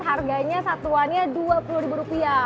harganya satuannya dua puluh ribu rupiah